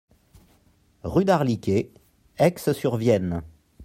Rue d'Arliquet, Aixe-sur-Vienne